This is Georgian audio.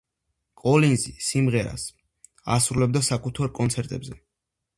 კოლინზი სიმღერას ასრულებდა საკუთარ კონცერტებზე.